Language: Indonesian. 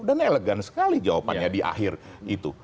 elegan sekali jawabannya di akhir itu